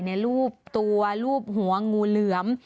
รูปตัวรูปหัวงูเหลือม